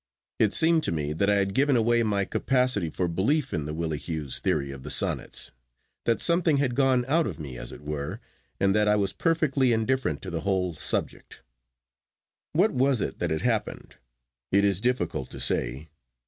It seemed to me that I had given away my capacity for belief in the Willie Hughes theory of the Sonnets, that something had gone out of me, as it were, and that I was perfectly indifferent to the whole subject. What was it that had happened? It is difficult to say.